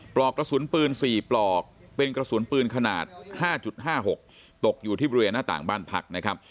ปลอกกระสุนปืน๔ปลอกเป็นกระสุนปืนขนาด๕๕๖ตกอยู่ที่บริเวณหน้าต่างบ้านพักนะครับ